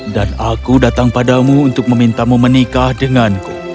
dan aku datang padamu untuk memintamu menikah denganku